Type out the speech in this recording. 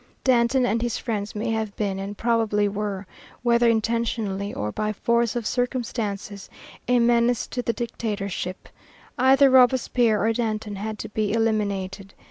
Danton and his friends may have been, and probably were, whether intentionally or by force of circumstances, a menace to the Dictatorship. Either Robespierre or Danton had to be eliminated.